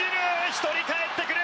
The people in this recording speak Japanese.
１人かえってくる！